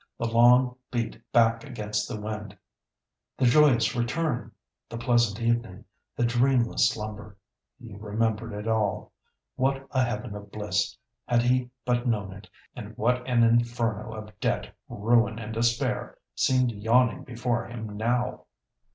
The long beat back against the wind, the joyous return, the pleasant evening, the dreamless slumber. He remembered it all. What a heaven of bliss, had he but known it; and what an inferno of debt, ruin, and despair seemed yawning before him now!